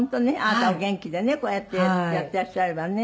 あなたお元気でねこうやってやってらっしゃればね。